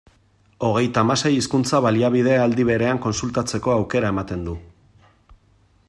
Hogeita hamasei hizkuntza-baliabide aldi berean kontsultatzeko aukera ematen du.